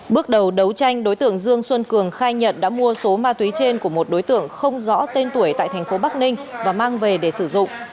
bước đầu đấu tranh đối tượng dương xuân cường khai nhận đã mua số ma túy trên của một đối tượng không rõ tên tuổi tại thành phố bắc ninh và mang về để sử dụng